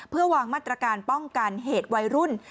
เพื่อวางมาตรการป้องกันเหตุวัยรุ่น